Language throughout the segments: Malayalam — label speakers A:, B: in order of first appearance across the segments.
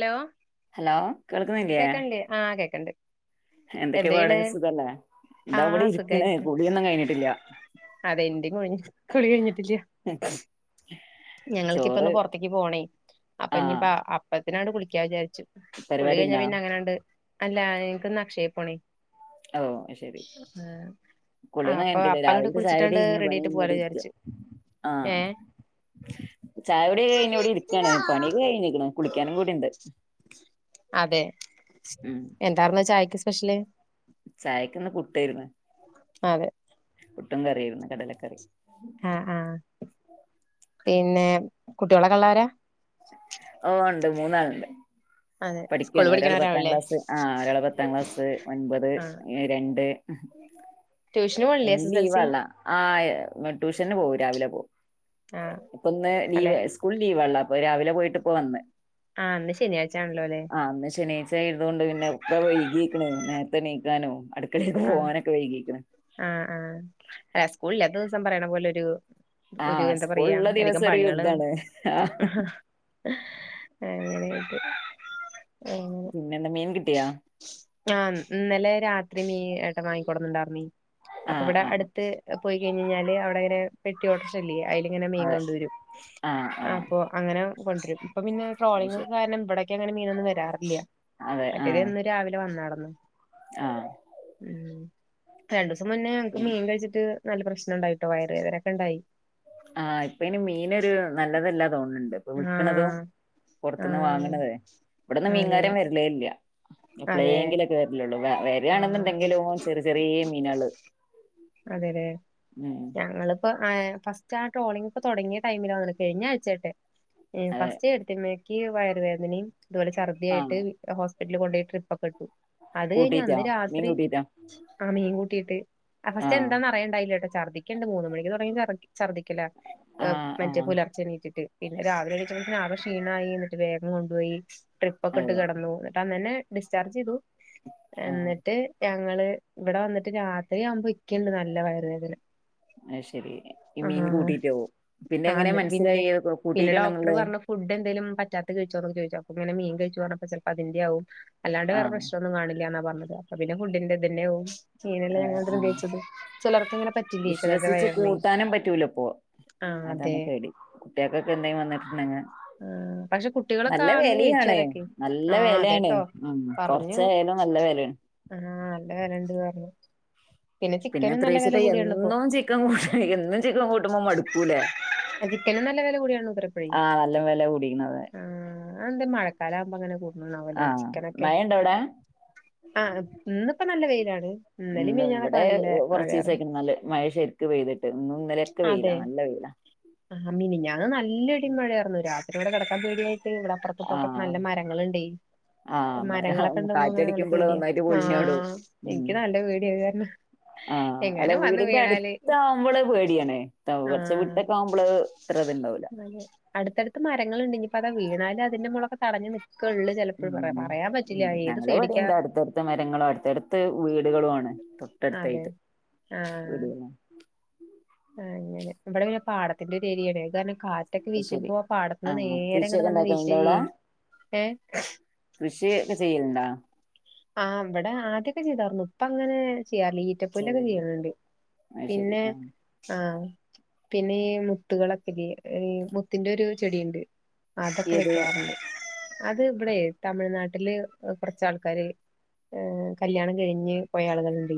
A: ഹലോ
B: ഹലോ കേൾക്ക്‌ണില്ലേ..
A: കേക്കണില്ലേ ആഹ് കേക്ണ്ട്
B: പാട്
A: എന്തെയ്യ്ണ്
B: സുഖല്ലേ ഇതാ
A: ആഹ്‌
B: ഇവിടെ ഇരിക്കണ്
A: സുഖായിക്ക
B: കുളിയൊന്നും കഴിഞ്ഞിട്ടില്ല
A: അതെ ന്റിം കുഴിഞ് കുളി കഴിഞ്ഞിട്ടില്ല
B: ചോറ്
A: ഞങ്ങൾക്ക്പ്പൊന്ന് പൊറത്തേക്ക് പോണേ അപ്പൊ
B: ആ
A: ഇഞ്ഞിപ്പ അപ് അപ്പത്തിനങ്ങട് കുളിക്കാ വിചാരിച്ചു കുളി
B: പരിപാടി
A: കഴിഞ്ഞാ
B: ഉണ്ടോ
A: പിന്നെ അങ്ങനെട്ട് അല്ല ഇനിക്ക്ന്ന് അക്ഷയ പോണേ ആഹ്‌
B: കൊളിന്നും കഴിഞ്ഞിട്ടില്ല രാവില്ത്തെ ചായുടിഞ് പണി
A: ആയിട്ട് പോവാലോ
B: ഇവ്ടെരിക്ക
A: വിചാരിച്ചു
B: ആഹ്‌
A: ഏഹ്
B: ചായുടിക്കെ കഴിഞ് ഇവിടെ ഇരിക്കാണ് പണിക്കെ കഴിഞ്ഞിക്ണ്
A: അതെ
B: ഉം
A: എന്താർരുന്നു ചായക്ക് സ്പെഷ്യല്
B: ചായക്ക്‌ന്ന് പുട്ടേര്ന്ന്
A: അതെ
B: പുട്ടും കറി യേര്ന്നു കടലക്കറി
A: ആഹ്‌ ആഹ്‌ പിന്നെ കുട്ടിയളൊക്കെള്ളരാ
B: ഓഹ്‌ ഉണ്ട് മൂന്നാൻണ്ട്
A: അതെ സ്കൂളിൽ
B: പഠിക്കാന ഒരാള പത്താം
A: പഠിക്കണവരാവൂല്ലേ
B: ക്ലാസ് ആ ഒരാള പത്താം ക്ലാസ് ഒൻപത്
A: ആഹ്
B: രണ്ട്
A: ട്യൂഷന് പോണില്ലേ എസ് എസ് എൽ സി
B: ലീവള്ള ആ ട്യൂഷന് പോവും രാവിലെ പോവും
A: ആഹ്
B: ഇപ്പൊന്ന് ലീവ്
A: അല്ലെ
B: സ് സ്കൂൾ ലീവ്ള്ള അപ്പൊ രാവിലെ പോയിട്ട് പോ വന്ന്
A: ആഹ് ഇന്ന് ശനിയാഴ്ച ആണല്ലോ അല്ലെ
B: ആന്ന് ശനി തുകൊണ്ട് പിന്നെ ഇപ്പ വൈകീക്കണ് നേരത്തെ എണീക്കാനും അടുക്കളൊക്ക്
A: ആഹ്
B: പോകാനൊക്കെ വൈകീക്കണ്.
A: ആഹ് ആഹ് അ സ്കൂൾല്ലാത്ത ദിവസം പറയണ പോലെരു ഒരു
B: ആഹ്
A: എന്താ പറയാ
B: സ്കൂളുള്ള
A: അരിക്കം
B: ദിവസം ഒരു
A: പണികളും
B: യുദ്ധാണ് ആഹ്
A: എങ്ങനെ ഇത്
B: പിന്നെന്താ മീൻ കിട്ടിയാ?
A: ആ ഇന്നലെ രാത്രി ഈ ഏട്ട വാങ്ങിക്കൊടന്നണ്ടായിർന്നു അപ്പൊ
B: ആഹ്
A: ഇവിടെ
B: ആഹ്
A: അടുത്ത് പോയി കഴിഞ്ഞ കഴിഞ്ഞാല് അവിടെ ഇങ്ങനെ പെട്ടിടർച്ചല്ലേ അതിലങ്ങനെ മീൻ
B: അതെ
A: കൊണ്ടുവരും
B: ആഹ് ആഹ്
A: അപ്പൊ അങ്ങനെ കൊണ്ടുരും ഇപ്പൊ പിന്നെ
B: അത്
A: ട്രോളിംഗ
B: ശരി
A: കാരണം ഇവിടൊക്കെ അങ്ങനെ മീനൊന്നും വരാറില്ല
B: അതെ
A: മറ്റേതെ
B: ആഹ്
A: രാവിലെ വന്നടന്നു.
B: ആഹ്
A: ഉം രണ്ടു ദിസം മുന്നേ ഞക്ക് മീൻ കഴിച്ചിട്ട് നല്ല പ്രശ്നംണ്ടായിട്ടോ വയറ വേദനൊക്കെണ്ടായി.
B: ആഹ് ഇപ്പനി മീനൊരു നല്ലതല്ലാ തോന്നണ്ട്. ഇപ്പ വിക്കണതും
A: ആഹ്
B: പുറത്തുന്ന്
A: ആഹ്
B: വാങ്ങണതേ ഇവിടന്ന്
A: അതെ
B: മീൻകാരൻ വരലേ ഇല്ല.
A: അതെ
B: ഇപ്പോളെങ്കിലൊക്കെ വരില്ലുള്ളൂ വരണെന്നുണ്ടെങ്കിലും
A: ആഹ്
B: ചെറിയ ചെറിയ മീനള്
A: അതെതെ ഞങ്ങള് ഇപ്പ ഫസ്റ്റ് ആ ട്രോളിംഗ് ഇപോ തുടങ്ങിയ ടൈമിലാന്ന കഴിഞ്ഞ ആഴ്ചേറ്റ ഫസ്റ്റ് എടുത്തമ്മക്ക് വയറുവേദനയും അതുപോലെ ഛർദിയായിട്ട്
B: ആഹ്
A: ഹോസ്പിറ്റലിൽ കൊണ്ടുപോയി ട്രിപ്പ ഒക്കെ ഇട്ടു അത് കഴിഞ്ഞഞ്
B: കൂട്ടീറ്റാ
A: അന്ന്
B: മീൻ
A: രാത്രി
B: കൂട്ടീറ്റാ
A: ആ മീൻ കൂട്ടിയിട്ട് ആ ഫസ്റ്റ്
B: ആഹ്
A: എന്താന്ന് അറിയണ്ടായിട്ടോ ഛർദിക്കണ്ട് മൂന്ന് മണിക്ക് തുടങ്ങി ചർ ഛർദിക്കല
B: ആഹ്
A: മറ്റേ
B: ആഹ്
A: പുലർച്ചെണീറ്റിട്ട് പിന്നെ രാവിലെണിച്ച ആകേ ക്ഷീണയി എന്നിട്ട് വേഗം കൊണ്ട് പോയി ട്രിപ്പ് ഒക്കെ ഇട്ട്
B: അതെ
A: കിടന്ന ന്നിട്ട് അന്നനെ ഡിസ്ചാർജ് ചെയ്തു
B: ആഹ്
A: എന്നിട്ട് ഞങ്ങള് ഇവിടെ വന്നിട്ട് രാത്രിയാവുമ്പോ ക്കണ്ട് നല്ല വയർ വേദന
B: അയ് ശെരി ഈ മീൻ കൂട്ടീട്ടവും പിന്നെ
A: ആഹ്
B: എങ്ങനെ
A: എന്നിട്ട് പിന്നെ
B: മനസ്സിലായി
A: പിന്നെ ഡോക്ടർ
B: കൂട്ടിയിട്ടാണെന്നുള്ളത്?
A: പറഞ്ഞു ഫുഡ് എന്തങ്കലും പറ്റാത്ത കഴിച്ചോക്ക ചോദോ ഇങ്ങന മീൻ കഴിച്ചു പറഞ്ഞപ്പോ ചിലപ്പോ അതിന്റെയകും. അല്ലാണ്ട് വേറെ
B: ആഹ്
A: പ്രശ്നൊന്നും കണില്ല ന്നാ പറഞ്ഞത് അപ്പ പിന്നെ ഫുഡിന്റെന്നെവും മീനല്ല
B: അതെ
A: ഞാന്
B: ആഹ്
A: ക
B: വിശ്വസിച്ച്
A: വയറിനെ
B: കൂട്ടാനും പറ്റൂലപ്പോ.
A: ആഹ് അതെ
B: അതാണ് പേടി കുട്ടികക്കൊക്കെ എന്തെങ്കിലും വന്നിട്ടുണ്ടെ
A: ആഹ് പക്ഷെ കുട്ടികളൊക്കെ
B: നല്ല
A: അന്ന് കഴിച്ചു
B: വെലയാണ്
A: അതൊക്കെ
B: നല്ല
A: ആഹ്
B: വെലേണ്
A: അതെട്ടോ
B: ഉം
A: പറഞ്ഞു
B: കുറച്ചയാലും നല്ല വേല
A: ആഹ് നല്ല വേലണ്ട് പറ
B: പിന്നെ എത്രശത്തെ
A: കൂടിയാണ് ഇപ്പോ
B: എന്നും ചിക്കൻ കൂട്ട എന്നും ചിക്കൻ കൂട്ടുമ്പോ മടുക്കൂലേ?
A: അജിക്കനെ നല്ല വില കൂടിയാണ് ഉരപ്പൊഴ
B: ആഹ് നല്ല വെല കൂടിക്കണത്
A: ആ ആന്തേ മഴക്കാല ആകുമ്പങ്ങേനെ കൂ
B: ആ മഴണ്ടവിടെ?
A: ആ ഇന്നിപ്പോ നല്ല വെയിലാണ് ഇന്നല മിൻ
B: വിടെ കുറച്ച് ദിവസയിക്ക നല്ല മഴ ശരിക്ക് പെയ്തിട്ട് ഇന്നും ഇന്നലെയൊക്കെ വെയിലാ നല്ല വെയില
A: ആ മിനിഞാന്ന് നല്ല ഇടിമഴയായിരുന്നു രാത്രിവടെ കെടക്കാ പേടിയായിട്ട് ഇവിട ത്തൊക്കെ
B: ആഹ്
A: നല്ല മരങ്ങളുണ്ട്.
B: ആഹ് മഴ
A: മരങ്ങളൊക്കെ ഉണ്ടകുമ്പോ അങ്ങനെ നല്ല
B: കാറ്റടിക്കുമ്പള്
A: പേടിയാ
B: ഒന്നായിട്ട്
A: ആ
B: പൊളിഞ്ഞോടും ഉം
A: എനിക്ക് നല്ല പേടിയ കാരണം
B: ആഹ് അല്ല
A: എങ്ങാനും വന്ന്
B: വീടിന്റെ
A: വീണാല്
B: അടുത്ത ആകുമ്പോള് പേടിയണേ കുറച്ച
A: ആഹ്
B: വീട്ടക്കെ ആകു മ്മള് ഇത്ര ഇതുണ്ടാവില്ല.
A: അടുത്തടുത്ത് മരങ്ങളണ്ട ഇനിപ്പ അത വീണാല് അതിന്റെ മുകളൊക്കെ തടഞ്ഞ നിക്കള്ളൂ ചിലപ്പോൾ പറയാ
B: ഉം
A: പറയാൻ പറ്റില്ല ഏത് സൈഡിക്കാ
B: ടുത്ത മരങ്ങളും അടുത്ത അടുത്ത് വീടുകളു ആണ്
A: അതെ
B: തൊട്ടടുത്തയിട്ട് വീട
A: ആഹ് അങ്ങനെ വിടെ പിന്നെ പാടത്തിന്റെ ഒരു എരിയണ കാരണം കാ റ്റൊക്കെ
B: അത് ശരി
A: വീശുമ്പോ പാടത്ത്ന്ന്
B: ആഹ്
A: നേരെ ഇങ്ങടെ
B: കൃഷിയൊക്കെ
A: വന്ന് വീശാ
B: ഇണ്ടാക്കല്ണ്ടോ
A: ചെയ്യാ
B: അവിടെ
A: ഏ
B: കൃഷിയൊക്കെ ചെയ്ലണ്ടാ?
A: ആ ഇബടെ ആദ്യൊക്കെ ചെയ്തർുന്നു ഇപ്പങ്ങനെ ചെയ്യാറില്ല റ്റപ്പലൊക്കെ
B: ചെയ്യലില്ല
A: ചെയ്യുന്നുണ്ട്
B: അത് ശരി
A: പിന്നെ
B: ആഹ്
A: ആഹ് പിന്നെ ഈ മുത്തുകളൊക്കെ ല്ലേ മുത്തിന്റെ ഒരു ചെടിയുണ്ട് അതൊക്കെ
B: ഏത്
A: വെക്കാറുണ്ട് അത് ഇബടെ തമിഴ്നാട്ടില് കുറച്ചാൾക്കാാര് ് കല്യാണം കഴിഞ്ഞ് പോയയാളുകളുണ്ട്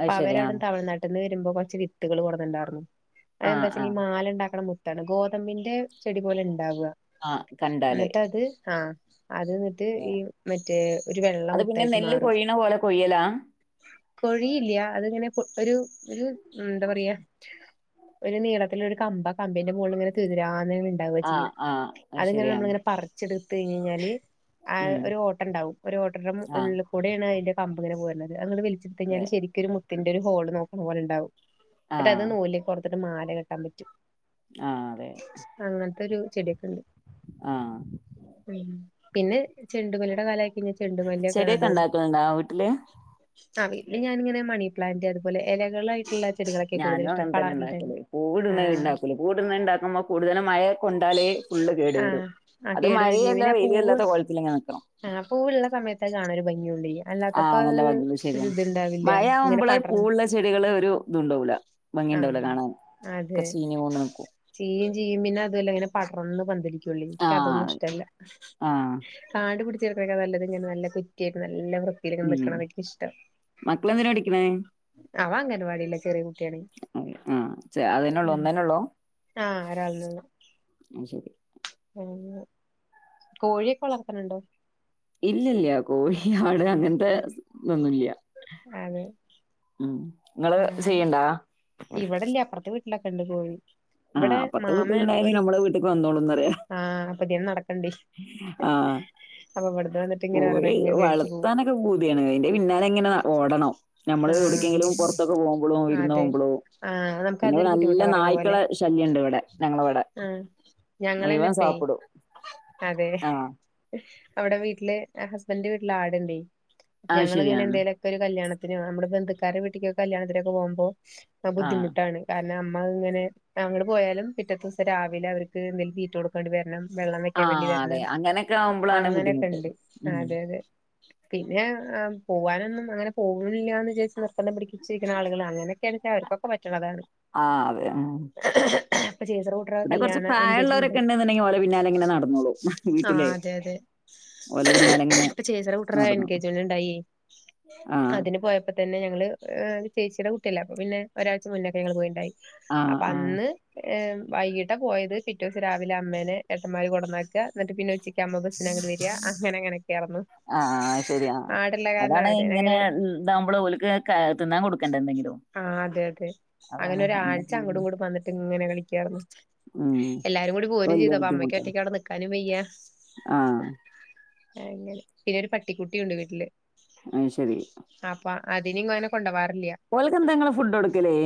B: അത്
A: അപ്പൊ
B: ശരി
A: അവരവിട
B: ആഹ്
A: തമിഴ്നാട്ട പെട്ടെന്ന് വരുമ്പോ കുറച്ച് വിത്തുകൾ കൊടന്നുണ്ടാർന്നു
B: ആഹ് ആഹ്
A: അത്ന്ച്ചെങ്കി മാല ഉണ്ടാക്കണ ാണ് ഗോതമ്പിന്റെ ചെടി പോലെ ഉണ്ടാവ
B: ആഹ് കണ്ടാല്
A: എന്നിട്ട് അത് ആഹ് അത് ന്നിട്ട്
B: ഏ.
A: ഈ മറ്റേ ഒരു വെള്ളം
B: അത്
A: മു
B: പിന്നെ നെല്ല് കൊഴിയണ പോലെ കൊയ്യലാ?
A: കൊഴിയില്ല അത്ങ്ങനെ ഒരു ഒരു എന്താ പറയാ ഒരു നീളത്തില ഒരു കമ്പ് ആകമ്പിന്റെ മുകളിൽ ഇങ്ങനെ തുരുതുരാ ന്ന് ണ്ടാവാ
B: ആഹ്
A: ചെയ്യാ
B: ആഹ് അത്
A: അത്ങ്ങനെ നമ്മള
B: ശരിയാണ്
A: ഇങ്ങനെ പറച്ച് ചെടിയുത്തി കഴിഞ്ഞ് കഴിഞ്ഞാല് ആ
B: ഉം
A: ഒരു ഓട്ടണ്ടാവും ഒരു ഓട്ടയുടെ മു
B: ആഹ്
A: ൂയാണ് അതിന്റെ കമ്പിങ്ങെനെ പോരുന്നത് അത്ങ്ങ്ട്ട് വലിച്ചിടുത്ത് കഴിഞ്ഞാല്
B: അതെ
A: ശരിക്കൊരു മു ത്തിന്റെ ഒരു ഹോള്ക്കുടെ നോക്കണ പോലെണ്ടാവും ന്ന്ട്ടത് അത്
B: ആഹ്
A: നൂലി കൊർത്തിട്ട് മാല കെട്ടാൻ പറ്റും
B: ആഹ് അതെ
A: അങ്ങനത്തെ ഒരു ചെടിയൊക്കെണ്ട്
B: ആഹ്
A: ഉം പിന്നെ ചെണ്ടുമലിയുടെ കാലായിക്കഴിഞ്ഞ ചെണ്ടുമലി
B: ചെടിയൊക്കെ ഉണ്ടാക്കുന്നുണ്ടോ വീട്ടില്?
A: ആ വിട്ടിൽ ഞാനിങ്ങനെ മണി പ്ലാന്റ് അതുപോലെ ഇലകളായിട്ടുള്ള ചെടികളൊക്കെ കൂടുതൽ
B: ഞാനും
A: ഇഷ്ടം
B: അങ്ങനെ തന്നെ
A: കളറിന്റെ
B: ഉണ്ടാക്കല്
A: ആ
B: പൂവ്ടുന്നത്ണ്ടാക്കൂല പൂവ്ടുന്ന ഇണ്ടാക്കുമ്പോ കൂടുതലും മഴ കൊണ്ടാല് ഫുള്ള് കേടു
A: ആ
B: വരും
A: ആ
B: അത്
A: കേട്
B: മഴയല്ല വെലിയല്ലാത്ത കോലത്തിലങ്ങനെ നിൽക്കണം
A: ആഹ് പൂവുള്ള സമയത്ത് കാണൊ ഒരു ഭംഗി ഉള്ളിയ്യ അല്ലാത്തപ്പോ
B: ആഹ് നല്ല ഭംഗിയുള്ള ശരിയാണ്
A: ഒരുത്ണ്ടാവില്ല
B: മഴ
A: ഇങ്ങനെ
B: ആവുമ്പള്
A: പടർ
B: പൂവുള്ള ചെടികള് ഒരു ഇതുണ്ടാവൂില്ല
A: ആഹ് അതെ
B: കൊണ്ട് നിക്കും
A: ചീയും ചീയും പിന്നെ അത്ങ്ങനെ പടർന്ന് പന്തലിക്കൊള്ളു ചെയ്യാ എനിക്ക് അതൊന്നും
B: ആഹ്
A: ഇഷ്ടല്ല
B: ആഹ്
A: കാട് പിടിച്ച് കടക്കിണേ കാട്ടിലും നല്ലത് ഇങ്ങനെ നല്ല കൊറ്റിയായിട്ട് നല്ല വ്യത്തിയി യില്
B: ഉം
A: നിക്കണേണ് എനിക്കിഷ്ടം
B: മക്കളെന്തിനാ പഠിക്കണേ
A: അവനങ്ങൻവാടിലാ ചെറിയ കുട്ടിയാണ്
B: ആഹ് അതെന്നേ ഉള്ളൂ
A: ഉം
B: ഒന്നന്ന ഉള്ളൂ
A: ആ ഒരാളെന്നൊള്ളു
B: ആ ശരി
A: ഉം കോഴിക്കെ വളർത്തണുണ്ടോ?
B: ഇല്ലല്ല കോഴി ആട് അങ്ങനത്തെ തൊന്നുംല്ല
A: അതെ
B: ഉം നങ്ങള് ചെയ്യണ്ടാ?
A: ഇവിടെല്ല അപ്പുറത്തെ വീട്ടിലൊക്കെണ്ട് കോഴി
B: ആ
A: ഇവടെ
B: അപ്പറത്തെ
A: മാമൻ
B: വീട്ടിലുണ്ടായാലും
A: ഒരു
B: നമ്മളെ വീട്ടിക്ക്
A: ആഹ് പ്പത്യേനെ നടക്ക്ണ്ട്
B: ആഹ്
A: വന്നിട്ട് ഇങ്ങനെ
B: കോഴി
A: ഓരോന്നൊക്കെ ഇങ്ങനെ കഴിച്ചു പോവും
B: വളത്താനൊ ക്കെ പൂതിയാണ്. അയിന്റെ പിന്നാലെ ങ്ങനെ ഓടണം. ഞമ്മള് എവിട്ക്കെങ്കിലും പൊറത്തൊക്കെ പോകുമ്പൊളും
A: ആ അതെ
B: വിരുന്നോവ്മ്പളും
A: ആഹ് നമുക്ക്
B: പിന്നെ ഇവടെ
A: അതൊരു
B: നല്ല
A: ബുദ്ധിമുട്ടാ പറയണ പോലെ
B: നായ്ക്കളെ ശല്യണ്ട് ഇവടെ ഞങ്ങളവടെ.
A: ആഹ്
B: മുയുവൻ
A: ഞങ്ങളന്നെപ്പേ
B: സാപ്പിടു.
A: അതെ അവിടെ വീട്ടില് ഹസ്ബൻന്റെ വീട്ടില് ആടുണ്ടെ
B: അത്
A: ഞങ്ങിങ്ങനെ
B: ശരിയാണ്
A: എന്തേലൊക്കൊര് കല്യാണത്തിന് നമ്മുടെ ബന്ധുക്കാരെ വീട്ടിക്കൊക്കെ കല്യാണത്തിനൊക്കെ പോകുമ്പോ അ
B: ആ
A: ബുദ്ധിമുട്ടാണ്. കാരണം നമ്മള് ങ്ങനെ ഞങ്ങള് പോയാലും പിറ്റത്തെ സം രാവിലെ അവർക്ക് എന്തേലും തീറ്റ കൊടുക്കാണ്ടി വരണം വെള്ളം
B: ആ
A: വെക്കാൻ വേണ്ടി
B: അതെ
A: വരണം
B: അങ്ങനെയൊക്കെ ആവുമ്പോഴാണ് ബുദ്ധിമുട്ട്
A: അങ്ങനെയൊക്കെണ്ട് ആഹ്
B: ഉം
A: അതെ അതെ. പിന്നെ പോവാനൊന്നും അങ്ങനെ പോക്ണില്ലാന്ന് വിചാര്ച്ച് നിർബന്ധം പിടിക്ക്യെ ചെയ്യിക്ക്ണാള്കള് അങ്ങനൊക്കെയാണേ അപ്പവർക്കൊക്കെ പറ്റ്ണതാണ്.
B: ആ അതെ ഉം
A: ഇപ്പ ചേച്ചിടെ [unintelligible]
B: പിന്നെ കൊറച്ച്
A: കല്യാണ എൻഗേജ്‌മെന്റ്
B: പ്രായള്ളോരൊക്കെ ഇണ്ട്ന്ന്ണ്ടെങ്കി ഓലെ പിന്നാലെ ഇങ്ങനെ നടന്നോളും
A: ആഹ്
B: വീട്ടിലേ.
A: അതെയതെ.
B: ഓലെ പിന്നാലെ ഇങ്ങനെ
A: ഇപ്പൊ ചേച്ചിടെ കുട്ട്ര് ടെ
B: നടന്നോളും.
A: എൻഗേജ്മെൻ്റ് ഇണ്ടായേ.
B: ആഹ്
A: അതിന് പോയപ്പ തന്നെ ഞങ്ങള് ചേച്ചിയുടെ കുട്ടിയല്ലേ അപ്പ പിന്നെ ഒരാഴ്ച മുന്നൊക്കെ ഞങ്ങള് പോയിണ്ടായി.
B: ആഹ്
A: അപ്പ
B: ആഹ്
A: ന്ന് ഏഹ് വൈകിട്ടാ പോയത് പിറ്റോസം രാവിലെ അമ്മേനെ ഏട്ടന്മാര് കൊടന്നാക്കാ ഇന്നട്ട് പിന്നെ ഉച്ചി ക്ക് അമ്മ ബസിന് ഇങ്ങട്ട് വെരാ. അങ്ങനെ ങ്ങനെയൊക്കെയായിർന്ന്.
B: ആഹ് ശരിയാ അതാണ്
A: അവര്
B: ഇങ്ങനെ
A: അങ്ങനെ
B: മ് ഇതാവുമ്പള് ഓൽക്ക് തിന്നാൻ കൊടുക്കണ്ടേ എന്തെങ്കിലും
A: ആഹ് അതെ അതെ. അങ്ങനെ
B: അതാണ് എന്നാ
A: ഒരാഴ്ച
B: പിന്നെ
A: അങ്ങടും ഇങ്ങടും വന്നിട്ട് ഇങ്ങനെ കളിക്ക്യായ്രുന്നു.
B: ഉം
A: എല്ലാരും കൂടി
B: അത്
A: പോരും
B: വല്യ
A: ചെയ്ത് അപ്പൊ
B: ബുദ്ധിമുട്ടാണ്.
A: അമ്മയ്ക്ക്യൊറ്റയ്ക്ക് അവിടെ നിക്കാനും പയ്യ.
B: ആഹ്
A: അങ്ങനെ. പിന്നെ ഒരു പട്ടിക്കുട്ടിയുണ്ട് വീട്ടില്
B: അഹ് ശരി.
A: അപ്പ അതിനിങ്ങെനെ കൊണ്ടവാറില്ല്യ.
B: ഓൽക്ക് എന്താ ങ്ങള് ഫുഡൊടുക്കല്?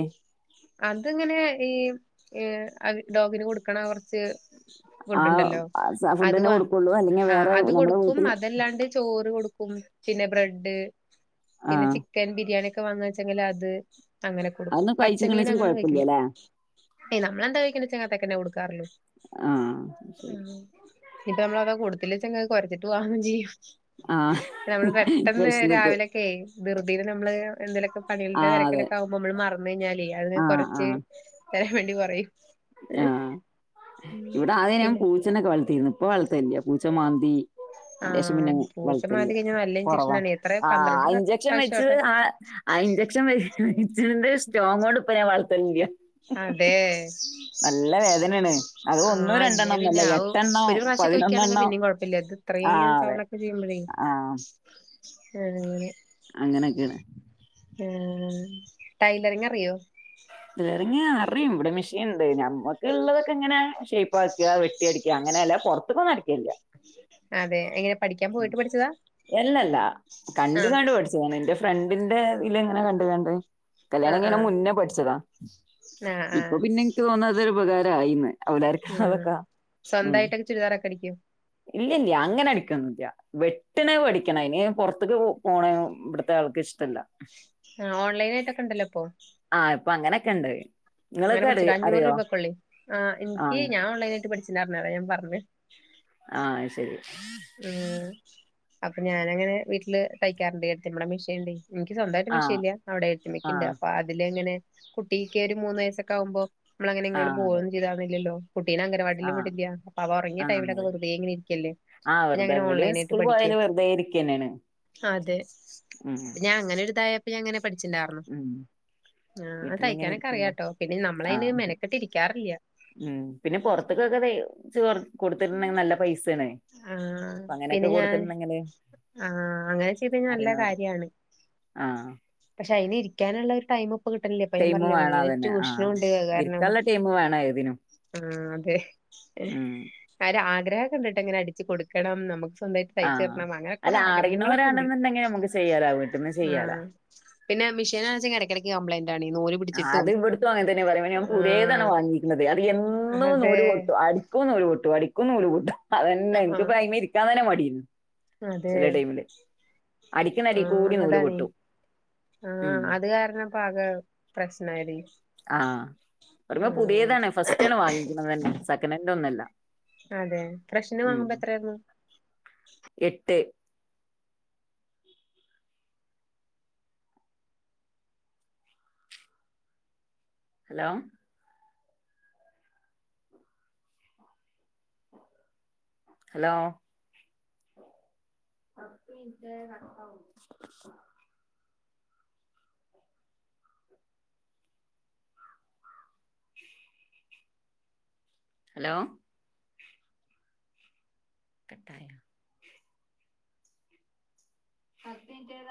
A: അത്ങ്ങനെ ഈ ഈ അഹ് ഡോഗിന് കൊടുക്കണാ കൊർച്ച്
B: ആ
A: ഫുഡ് ണ്ടല്ലോ, അത്
B: ഫുഡന്നെ
A: വാ
B: കൊടുക്കൊള്ളൂ അല്ലെങ്കി
A: ആഹ്
B: വേറെ
A: അത്
B: നമ്മളെ
A: കൊടുക്കും
B: വീട്ടില്
A: അതല്ലാണ്ട് ചോറ് കൊടുക്കും, പിന്നെ ബ്രെഡ്, പിന്നെ
B: ആഹ്
A: ചിക്കൻ ബിരിയാണി ഒക്കെ വാങ്ങാച്ചെങ്കില ത് അങ്ങനൊക്കൊ കൊടുക്കും.
B: അതൊന്ന്
A: പച്ചമീൻ
B: കഴിച്ച്ക്ക്‌ണേച്ചാ
A: അങ്ങനൊന്നും കഴിക്കൂല്ല.
B: കൊഴപ്പല്ല്യലേ.
A: അയ് നമ്മളെന്താ കഴിക്ക്ണേ ച്ചാ അങ്ങത്തേക്കന്നെ കൊടുക്കാറുള്ളൂ.
B: ആഹ് ശരി.
A: ആഹ് ഇപ്പ നമ്മളത് കൊടുത്തില്ല ച്ചെങ്ക് കൊരച്ചിട്ട് വാങ്ങും ചെയ്യും.
B: ആഹ്
A: നമ്മള് പെട്ടെന്ന്
B: വെശ്ന്നിട്ട്
A: രാവിലെ ക്കേ ധൃതീല് നമ്മള് എന്തേലൊക്കെ പണികൾടെ
B: ആഹ് അതെ
A: തെരക്കിലൊക്കാവുമ്പം നമ്മള് മറന്നഴിഞ്ഞാലേ അത്
B: ആഹ്
A: കൊറച്ച്
B: ആഹ്
A: തരാൻ വേണ്ടി പറയും.
B: ആഹ്
A: ഉം.
B: ഇവിടെ ആദ്യ ഞാൻ
A: പിന്നെ
B: പൂച്ചനൊക്കെ വളർത്തീര്ന്നു. ഇപ്പൊ വളർത്തല്ല. പൂച്ച മാന്തി അയ്ൻ്റേഷം
A: ആഹ്
B: പിന്നെ
A: പൂച്ച
B: വൾത്തൽല്ല.
A: മാന്തി കഴിഞ്ഞാ നല്ല
B: കൊറവാ
A: ഇഞ്ചക്ഷനാണ് എത്ര
B: ആ
A: പന്ത്രണ്ട്
B: ഇഞ്ചക്ഷൻ വെച്ച്
A: പ്രാവശ്യാട്ടെ
B: ആ ആ ഇഞ്ചെക്ഷൻ വ ച്ന്റെ സ്റ്റോങ്ങോട് ഇപ്പ ഞാൻ വളർത്തേല്ല്യ.
A: അതെ
B: വേദനയാണ് അത്
A: ആഹ്
B: ഒന്നോ
A: അല്ലേ
B: രണ്ടെണ്ണം ഒന്നല്ല
A: പിന്നെ ആഹു
B: എട്ടെണ്ണം
A: ഒരു പ്രാവശ്യൊക്കെ വെക്ക്യാണെങ്കി
B: പതിനൊന്നെണ്ണം
A: പിന്നിം കൊഴപ്പല്ല്യ. ഇത്
B: ആ
A: അത്രയും
B: അതെ
A: തവണൊക്കെ ചെയ്യുമ്പഴേ
B: ആ
A: അങ്ങനെ.
B: അങ്ങനൊക്കേണ്.
A: ഏഹ്. ടൈലറിങറിയോ?
B: എറങ്ങ്യ അറിം ഇവടെ മിഷീൻ ഇണ്ട് ഞമ്മക്ക് ഇള്ളതൊക്കെ ഇങ്ങനെ ഷെയ്പാക്ക കുട്ട അടിക്ക അങ്ങനെയല്ല പൊറത്ത്കൊന്നു അടിക്കലില്ല
A: അതെ എങ്ങനെ പഠിക്കാൻ പോയിട്ട് പഠിച്ചതാ
B: എല്ലല്ല കണ്ട്
A: ആഹ്
B: ങാണ്ട് പഠി ചാണ് എന്റെ ഫ്രണ്ടിന്റെ ഇതില ഇങ്ങനെ കണ്ട് ങാണ്ട് കല്യാണം
A: ആഹ്
B: കയ്ണ
A: ആഹ്
B: മുന്നെ പഠിച്ചതാ
A: ആഹ്
B: ഇപ്പൊ
A: ആഹ്
B: പിന്നെ ഇൻക്ക് തോന്ന്ണത് ഉപകാരായീന്ന് അവതാര
A: ഉം
B: അവക്കാ ഉം
A: സ്വന്തമായിട്ടൊക്കെ ചുരിദാറൊക്കെ അടിക്കോ
B: ഇല്ലല്ല അങ്ങനെ അടിക്കൊന്നുല്ല വെട്ട്ണ വഠിക്കണ അയ്ന് പൊർത്ത്ക്ക് പോണ ഇവിട്ത്ത ആൾക്ക് ഇഷ്ട ഇപ്പല്ല
A: ആഹ് ഓൺലൈനായിട്ടൊക്ക ഇണ്ടല്ലൊ അപ്പൊ
B: ആഹ് ഇപ്പ അങ്ങനക്കണ്ട്
A: അങ്ങനെ പഠിച്ചുോ അഞ്ഞൂ അഞൂറ് രൂപക്കൊള്ളി ആഹ്
B: ആ
A: ഇൻക്ക് ഞാൻ ഓൺലൈനായിട്ട് പഠിച്ച് ന്നർഞ് ഞാൻ പർഞ്ഞ്
B: ആഹ് ശരി
A: ഉം അപ്പൊ ഞാനങ്ങനെ വീട്ട്ല് തയ്ക്കാറ്ണ്ട് ഏടത്ത്യമ്മടെ മീഷ്യണ്ടെ എനിക്ക് സ്വന്തായിട്ട്
B: ആ
A: മിശീല്ല അവടെ
B: ആ
A: ഏട്ട്ത്ത്യമക്ക്ണ്ട് അപ്പൊ അതില് എങ്ങനെ കുട്ടീക്ക് ഒരു മൂന്ന് വയസ്സൊക്കാവുമ്പൊ നമ്മളെ
B: ആ
A: ഇങ്ങ്ടും
B: അതെ
A: പോവും ചീതാവ്ണില്ലല്ലൊ കുട്ടീനെ അങ്ങ്
B: ആ
A: വാടിലും വിടില്ല അപ്പൊ ഒറങ്ങിയ
B: ആ അതെ
A: ടൈമിലൊക്കെ എങ്ങന ഇരിക്കല്ലെ
B: ആ
A: പിന്ന
B: വെറുതെ
A: അങ്ങനെ
B: ഇവല്
A: ഓൺലൈനായിട്ട്
B: സ്കൂളിൽ
A: പഠിക്കെ
B: പോയാല് വെറുതെ ഇരിക്കുക തന്നെയാണ്
A: അതെ
B: ഉം
A: പ്പഞാ അങ്ങനൊര്തായപ്പൊ ഞാ ഇങ്ങനെ പഠിച്ചിണ്ടായിർന്ന്
B: ഉം
A: ആഹ്
B: വീട്ടിലിങ്ങനെ
A: തൈയ്ക്കാനൊക്ക
B: ഇരിക്കുമ്പോ
A: അറിയാട്ടൊ പിന്നെ
B: ആ
A: നമ്മളയ്ന് മെനക്കെട്ടിരിക്കാറില്ല
B: ഉം പിന്നെ പൊർത്ത്ക്കൊക തൈച് കൊട് കൊട്ത്ത്ണ്ടെങ്കി നല്ല പൈസേണെ
A: ആഹ് പിന്നെ ഞാൻ ആഹ് അങ്ങനെ ചെയ്ദേഞ നല്ലകാര്യാണ്
B: ആഹ്
A: പക്ഷെ അയ്ന് ഇരിക്കാന്ള്ളൊര് ടൈമ് പ്പ കിട്ടലില്ല പ്പൊ
B: ടൈമ്
A: ഞാപറ്ഞ്ഞിലെ
B: വേണം
A: ഓൺലൈന്
B: അതന്നെ
A: ട്യൂഷ്ന്
B: ആഹ്
A: പോണ്ട് അയ് കാര്ണം
B: ഇരിക്കാനുള്ള ടൈമ് വേണം ഏതിനും
A: ആഹ് അതെ
B: ഉം
A: അര ആഗ്രഹൊക്കണ്ട്ട്ടൊ ഇങ്ങനെ അടിച്ച് കൊടുക്കണം നമുക്ക് സ്വന്തമായിട്ട്
B: ആഹ്
A: തയ്ച്ചിടണം അങ്ങനെ കൊറെ
B: അല്ല
A: ആഗ്രഹങ്ങളൊക്കണ്ട്
B: അറിയണോരാണെന്നുണ്ടെങ്കിൽ നമുക്ക് ചെയ്യാലോ വീട്ടിൽന്ന് ചെയ്യാലോ
A: ആഹ് പിന്നെ മീഷ്യനാണെച്ച എടക്ക് എടക്ക് കംപ്ലയ്ന്റാ ആണെ നൂല്
B: ആഹ് അത്
A: പിടിച്ചിട്ടും
B: ഇവിട്ത്തൊം അങ്ങൻ തന്നെ പറയ ഞാൻ പുതിയതാണ്
A: ആഹ്
B: വാങ്ങിക്ക്ണതെ അത് എന്നും
A: അതെ
B: നൂല് പൊട്ടും അ അടിക്കും നൂൽപ്പൊട്ടും അടിക്കും നൂൽപ്പൊട്ടും അതന്നെ ഇൻക്ക്
A: ആഹ്
B: ഇപ്പം അയിമ്മെ ഇരിക്കാ തന്നെ മടി
A: അതെ
B: ചെല ടൈമില് അടിക്ക്ന്ന
A: ആഹ്
B: എടേക്കൂടെ നൂല്
A: അതാണേ
B: പൊട്ടും ഉം
A: ആഹ് അത് കാര്ണം ഇപ്പ ആകെ പ്രശ്നായത്
B: ആഹ് അതിപ്പം പുതിയതാണ് ഫസ്റ്റണ് വാങ്ങിക്ക്ണ്തന്നെ സെക്കനാന്റൊന്നുമല്ല
A: അതെ ഫ്രഷ്ന് വാങ്ങുമ്പൊ എത്രയാത്
B: എട്ട് ഹലോ ഹലോ ഇത് ഇൻക് നല്ലതാവും ഹലോ കട്ടായൊ പത്തിന്റേത